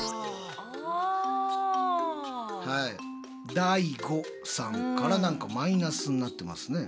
ＤＡＩＧＯさんから何かマイナスになってますね。